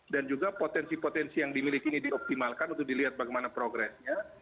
dan juga potensi potensi yang dimiliki ini dioptimalkan untuk dilihat bagaimana progresnya